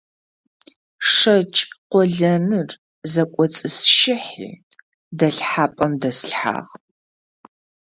ШэкӀ къолэныр зэкӀоцӀысщыхьи дэлъхьапӀэм дэслъхьагъ.